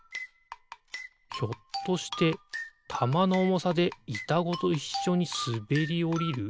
ひょっとしてたまのおもさでいたごといっしょにすべりおりる？